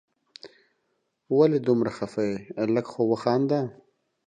ولي دومره خفه یې ؟ لږ خو وخانده